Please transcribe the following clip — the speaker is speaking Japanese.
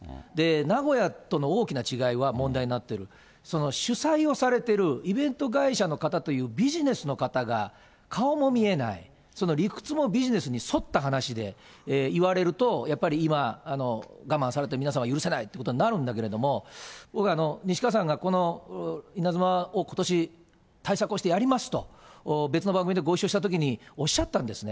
名古屋との大きな違いは、問題になってる、その主催をされている、イベント会社の方というビジネスの方が、顔も見えない、その理屈もビジネスに沿った形でいわれると、やっぱり今、我慢されてる皆さんは許せないということになるんだけれども、僕は西川さんがこのイナズマをことし、対策をしてやりますと、別の番組でご一緒したときにおっしゃったんですね。